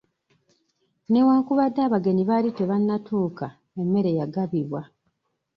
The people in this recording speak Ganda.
Newankubadde abagenyi baali tebanatuuka emmere yagabibwa.